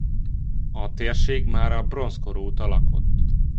A térség már a bronzkor óta lakott.